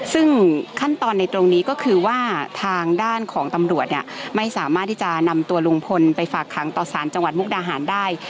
ซึ่งขั้นตอนในตรงนี้ก็คือว่าทางด้านของตำรวจเนี่ยไม่สามารถที่จะนำตัวลุงพลไปฝากขังต่อสารจังหวัดมุกดาหารได้